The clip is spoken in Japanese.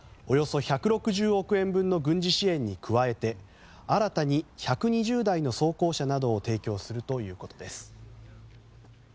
およそ１６０億円分の軍事支援に加えて新たに１２０台の装甲車などを提供するということです。